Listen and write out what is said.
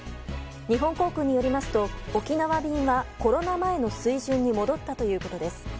日本航空によりますと沖縄便はコロナ前の水準に戻ったということです。